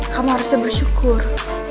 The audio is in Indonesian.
kamu harusnya bersyukur